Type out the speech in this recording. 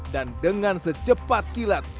dan dengan secepat kilat